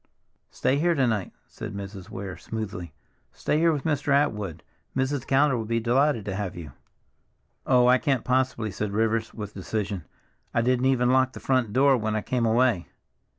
"Stay here to night," said Mrs. Weir smoothly. "Stay here with Mr. Atwood; Mrs. Callender will be delighted to have you." "Oh, I can't, possibly," said Rivers with decision. "I didn't even lock the front door when I came away.